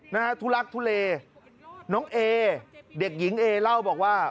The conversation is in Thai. นะฮะทุลักทุเลน้องเอเด็กหญิงเอเล่าบอกว่า